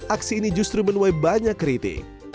aksi ini justru menuai banyak kritik